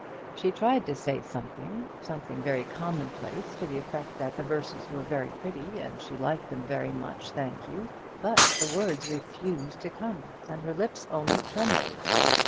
She tried to say something something very commonplace, to the effect that the verses were very pretty, and she liked them very much, thank you but the words refused to come, and her lips only trembled.